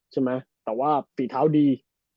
ใช่มั้ยแต่ว่าฟีเท้าดี